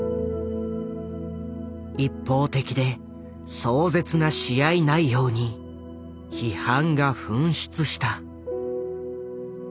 一方的で壮絶な試合内容に批判が噴出した。